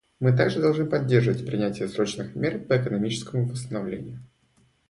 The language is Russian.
Мы также должны поддерживать принятие срочных мер по экономическому восстановлению.